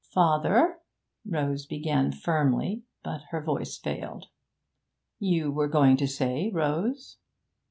'Father' Rose began firmly, but her voice failed. 'You were going to say, Rose?'